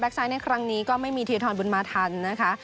ไซต์ในครั้งนี้ก็ไม่มีธีรทรบุญมาทันนะคะ